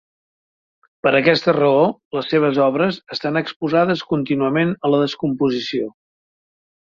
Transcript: Per aquesta raó, les seves obres estan exposades contínuament a la descomposició.